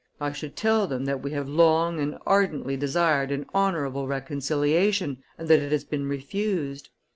I should tell them that we have long and ardently desired an honorable reconciliation, and that it has been refused.